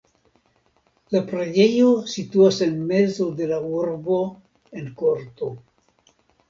La preĝejo situas en mezo de la urbo en korto.